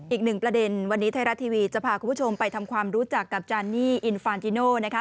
อีกหนึ่งประเด็นวันนี้ไทยรัฐทีวีจะพาคุณผู้ชมไปทำความรู้จักกับจานนี่อินฟานจิโนนะคะ